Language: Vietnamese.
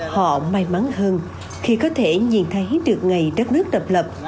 họ may mắn hơn khi có thể nhìn thấy được ngày đất nước độc lập